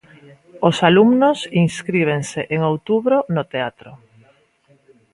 Os alumnos inscríbense en outubro no teatro.